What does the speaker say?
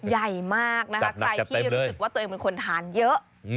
ใหญ่มากนะคะใครที่รู้สึกว่าตัวเองเป็นคนทานเยอะ